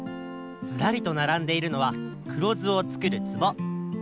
ずらりとならんでいるのは黒酢をつくる壺！